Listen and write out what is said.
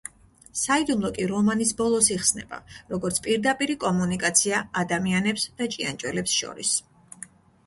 საიდუმლო კი რომანის ბოლოს იხსნება, როგორც პირდაპირი კომუნიკაცია ადამიანებს და ჭიანჭველებს შორის.